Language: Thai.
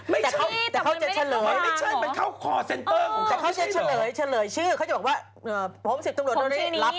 ไม่ใช่แต่มันไม่ได้กำลัง